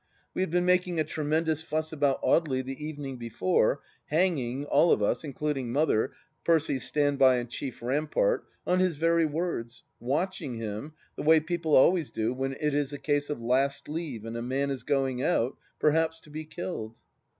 We had been making a tremendous fuss about Audely the evening before, hanging — ^all of us, including Mother, Percy's stand by and chief rampart — on his very words, watching him, the way people always do when it is a case of Last Leave and a man is going out, perhaps to be kUled